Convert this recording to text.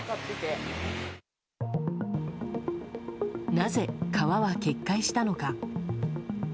なぜ、川は決壊したのか。